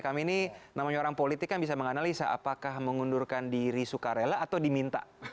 kami ini namanya orang politik yang bisa menganalisa apakah mengundurkan diri sukarela atau diminta